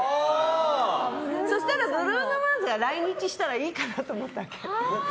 そしたら、ブルーノ・マーズが来日したらいいかなと思ったわけ。